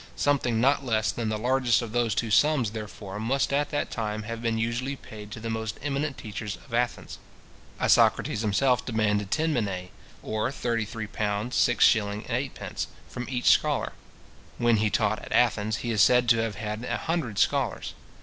Something not less than the largest of those two sums, therefore, must at that time have been usually paid to the most eminent teachers at Athens. Isocrates himself demanded ten minae, or £ 33:6:8 from each scholar. When he taught at Athens, he is said to have had a hundred scholars.